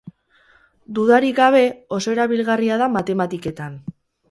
Dudarik gabe, oso erabilgarria da matematiketan.